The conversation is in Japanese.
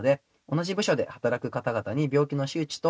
「同じ部署で働く方々に病気の周知と」